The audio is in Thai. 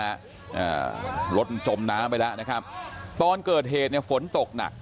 อ่ารถจมน้ำไปแล้วนะครับตอนเกิดเหตุเนี่ยฝนตกหนัก